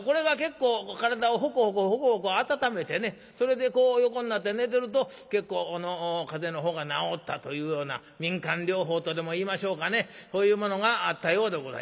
それでこう横になって寝てると結構風邪の方が治ったというような民間療法とでもいいましょうかねそういうものがあったようでございますな。